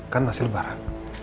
kan masih lebaran